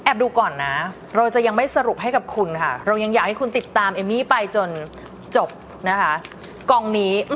ดูก่อนนะเราจะยังไม่สรุปให้กับคุณค่ะเรายังอยากให้คุณติดตามเอมมี่ไปจนจบนะคะกองนี้